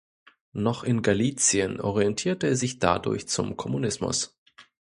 Noch in Galizien orientierte er sich dadurch zum Kommunismus.